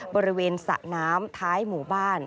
บริเวณสระน้ำท้ายหมู่บ้าน